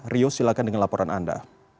rio silakan dengan laporan anda